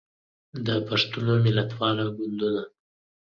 د پښتنو ملتپاله ګوندونه